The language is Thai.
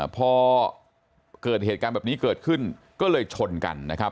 พอเกิดเหตุการณ์แบบนี้เกิดขึ้นก็เลยชนกันนะครับ